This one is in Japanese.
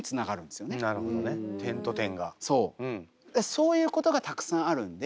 そういうことがたくさんあるんで